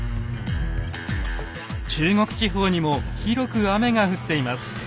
中国地方にも広く雨が降っています。